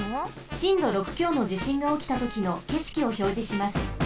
しんど６きょうのじしんがおきたときのけしきをひょうじします。